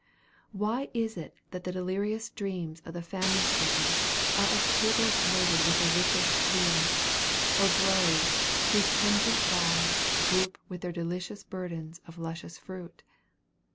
Why is it that the delirious dreams of the famine stricken, are of tables loaded with the richest viands, or groves, whose pendent boughs droop with their delicious burdens of luscious fruit?